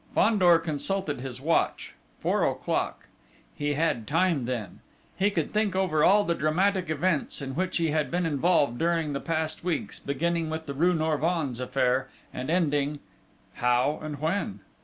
Fandor consulted his watch four o'clock! He had time then! He could think over all the dramatic events in which he had been involved during the past weeks, beginning with the rue Norvins affair, and ending how, and when?